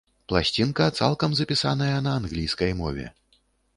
Пласцінка цалкам запісаная на англійскай мове.